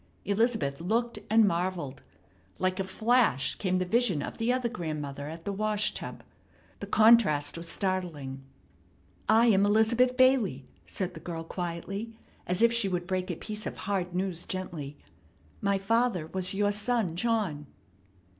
Elizabeth looked and marvelled. Like a flash came the vision of the other grandmother at the wash tub. The contrast was startling. "I am Elizabeth Bailey," said the girl quietly, as if she would break a piece of hard news gently. "My father was your son John."